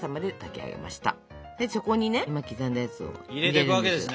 でそこにね今刻んだやつを。入れていくわけですね。